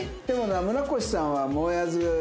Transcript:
でもな村越さんはもえあず。